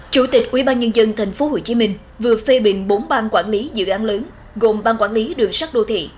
chủ tịch ubnd tp hcm vừa phê bình bốn ban quản lý dự án lớn gồm ban quản lý đường sắt đô thị